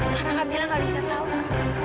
karena kak mila gak bisa tahu kak